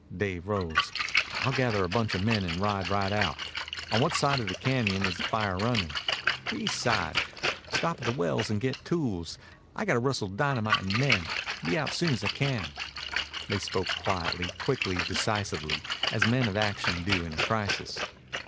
Dave rose. "I'll gather a bunch of men and ride right out. On what side of the cañon is the fire running?" "East side. Stop at the wells and get tools. I got to rustle dynamite and men. Be out soon as I can." They spoke quietly, quickly, decisively, as men of action do in a crisis.